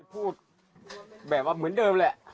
พูดแบบว่าเหมือนเดิมแหละ